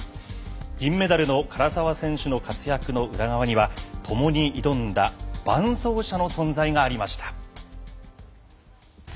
銀メダルの唐澤選手の活躍の裏側にはともに挑んだ伴走者の存在がありました。